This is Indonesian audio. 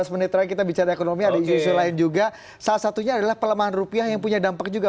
menit lagi kita bicara ekonomi juga salah satunya adalah pelemahan rupiah yang punya dampak juga